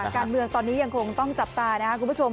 การเมืองตอนนี้ยังคงต้องจับตานะครับคุณผู้ชม